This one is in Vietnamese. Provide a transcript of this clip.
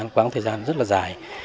quang thời gian rất là dài